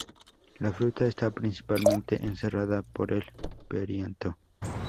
La fruta está principalmente encerrada por el perianto.